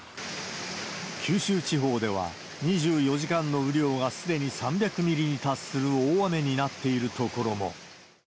九州地方では、２４時間の雨量がすでに３００ミリに達する大雨になっている所も。